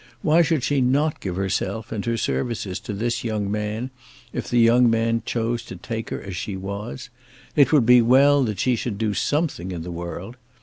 Why should she not give herself and her services to this young man if the young man chose to take her as she was? It would be well that she should do something in the world.